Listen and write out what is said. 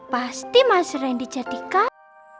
pasti mas rendy jadikan